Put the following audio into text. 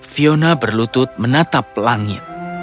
fiona berlutut menatap langit